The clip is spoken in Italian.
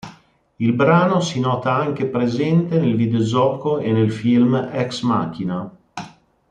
Il brano si nota anche presente nel videogioco e nel film Ex Machina.